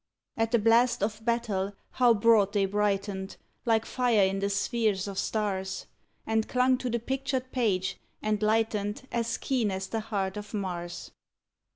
At the blast of battle, how broad they brightened, Like fire in the spheres of stars, And clung to the pictured page, and lightened As keen as the heart of Mars!